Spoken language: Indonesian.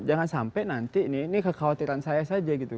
jangan sampai nanti ini kekhawatiran saya saja gitu